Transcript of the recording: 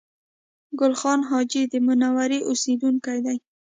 ګل خان حاجي د منورې اوسېدونکی دی